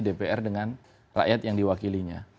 dpr dengan rakyat yang diwakilinya